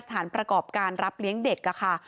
สถานประกอบการรับเลี้ยงเด็กค่ะ